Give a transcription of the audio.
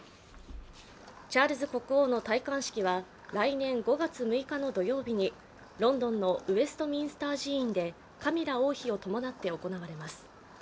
チャールズ国王の戴冠式は来年５月６日の土曜日にロンドンのウェストミンスター寺院でカミラ王妃を伴って行われます。